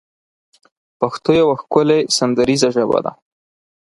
پښتو يوه ښکلې سندريزه ژبه ده